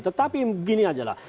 tetapi begini aja lah